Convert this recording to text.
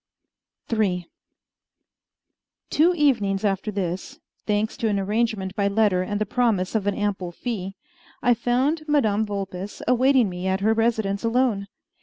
III Two evenings after this, thanks to an arrangement by letter and the promise of an ample fee, I found Madame Vulpes awaiting me at her residence alone.